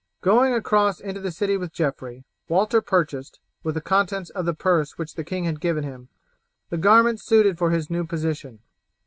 Going across into the city with Geoffrey, Walter purchased, with the contents of the purse which the king had given him, the garments suited for his new position.